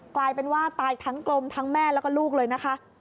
กลายเป็นว่าตายทั้งกลมทั้งแม่แล้วก็ลูกเลยนะคะ